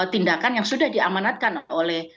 tindakan yang sudah diamanatkan oleh